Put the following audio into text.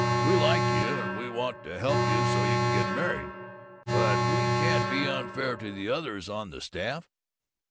We like you, and we want to help you so you can get married, but we can't be unfair to the others on the staff.